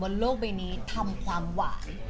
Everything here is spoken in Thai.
โลกใบนี้ทำความหวาน